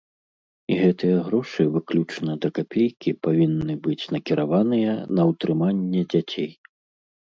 І гэтыя грошы выключна да капейкі павінны быць накіраваныя на ўтрыманне дзяцей.